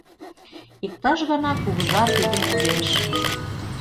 Иктаж гана кугыжа тидым ужеш...